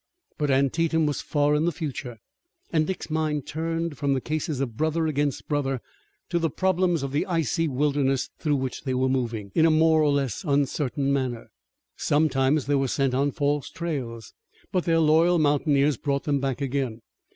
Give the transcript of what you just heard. But Antietam was far in the future, and Dick's mind turned from the cases of brother against brother to the problems of the icy wilderness through which they were moving, in a more or less uncertain manner. Sometimes they were sent on false trails, but their loyal mountaineers brought them back again.